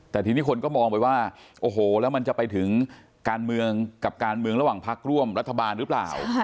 แต่ทีนี้คนก็มองไปว่าโอ้โหแล้วมันจะไปถึงการเมืองกับการเมืองระหว่างพักร่วมรัฐบาลหรือเปล่า